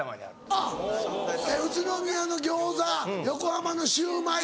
あっ宇都宮の餃子横浜のシューマイ。